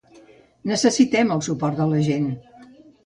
Necessitem el suport de la gent.